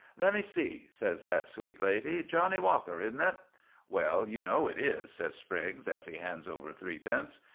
"Let me see," says that sweet lady; "Johnny Walker, is n't it?" "Well, you know it is," says Spriggs, as he hands over threepence.